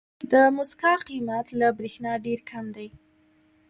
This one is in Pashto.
د موسکا قیمت له برېښنا ډېر کم دی.